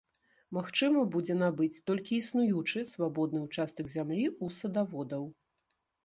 Магчыма будзе набыць толькі існуючы свабодны ўчастак зямлі ў садаводаў.